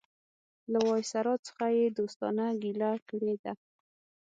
له وایسرا څخه یې دوستانه ګیله کړې ده.